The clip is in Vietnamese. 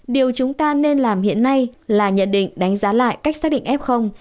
điều chúng ta nên làm hiện nay là nhận định đánh giá lại cách xác định f